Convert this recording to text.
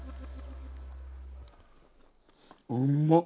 うまっ！